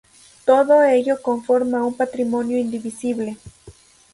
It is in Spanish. Todo ello conforma un patrimonio indivisible.